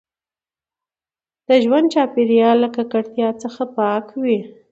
د ژوند چاپیریال له ککړتیا څخه پاک وي.